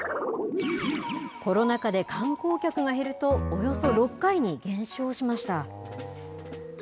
コロナ禍で観光客が減るとおよそ６回に減少しました。